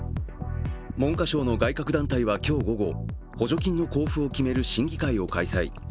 文科省の外郭団体は今日午後、補助金の交付を決める審議会を開催。